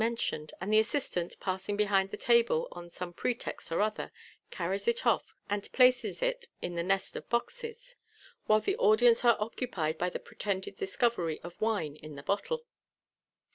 mentioned, and the assistant, passing behind the table on some pretext or other, carries it off, and places it in the nest of boxes, while the audience are occupied by the pretended discovery of wine in the bottle.